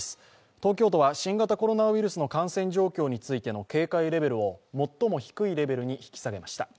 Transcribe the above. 東京都は新型コロナウイルスの感染状況についての警戒レベルを最も低いレベルに引き下げました。